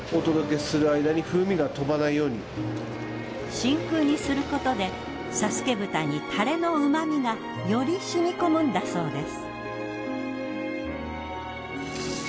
真空にすることで佐助豚にタレの旨みがより染み込むんだそうです。